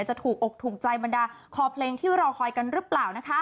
จะถูกอกถูกใจบรรดาคอเพลงที่รอคอยกันหรือเปล่านะคะ